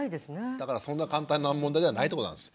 だからそんな簡単な問題ではないってことなんです。